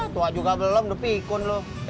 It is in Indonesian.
tua juga belum depikun lu